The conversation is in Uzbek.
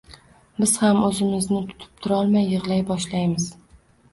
biz ham o’zimizni tutib turolmay yig’lay boshlaymiz.